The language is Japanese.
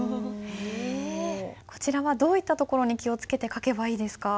こちらはどういったところに気を付けて書けばいいですか？